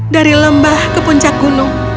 dari lembah ke puncak gunung